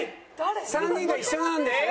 ３人が一緒なんですね。